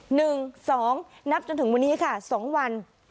หนึ่งสองนับจนถึงวันนี้ค่ะสองวัน